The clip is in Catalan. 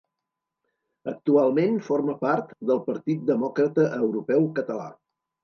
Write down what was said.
Actualment forma part del Partit Demòcrata Europeu Català.